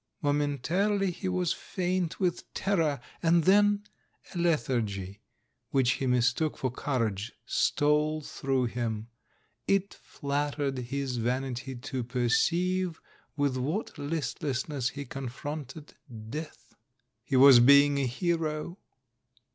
Momentarily he was faint with terror, and then a lethargy which he mis took for courage stole through him; it flattered his vanity to perceive with what listlessness he confronted death. He was being a hero!